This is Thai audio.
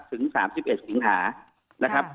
ถึง๓๑สิงหา